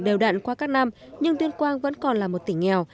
đều đạn qua các năm nhưng tuyên quang vẫn còn là một tỉnh nghèo